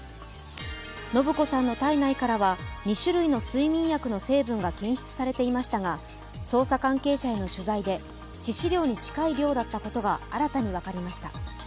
延子さんの体内からは２種類の睡眠薬の成分が検出されていましたが、捜査関係者への取材で致死量に近い量だったことが新たに分かりました。